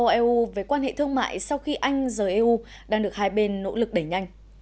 chủ tịch ủy ban châu âu eu về quan hệ thương mại sau khi anh rời eu đang được hai bên nỗ lực đẩy nhanh